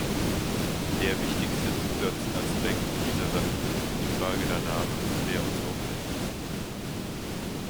Der wichtigste Zusatzaspekt in dieser Sache betrifft die Frage danach, wer uns aufhält.